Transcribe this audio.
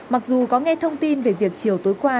mặc dù có nghe thông tin về việc chiều tối qua